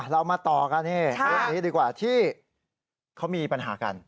เรามาต่อกันเรื่องนี้ดีกว่าที่เขามีปัญหากัน